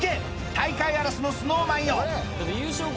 大会荒らしのＳｎｏｗＭａｎよ！